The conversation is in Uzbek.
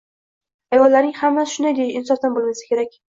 Ayollarning hammasi shunday deyish insofdan bo'lmasa kerak.